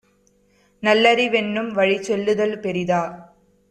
நல்லறி வென்னும்வழிச் செல்லுதல் பெரிதா?